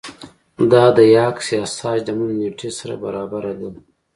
دا د یاکس یاساج د مړینې له نېټې سره برابره ده